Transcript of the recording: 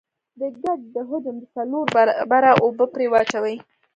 د ګچ د حجم د څلور برابره اوبه پرې واچوئ.